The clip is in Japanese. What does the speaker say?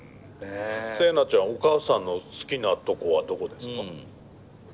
セイナちゃんお母さんの好きなとこはどこですか？